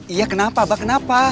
iya kenapa mbak kenapa